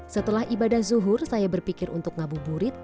setelah ibadah zuhur saya berpikir untuk ngabuburit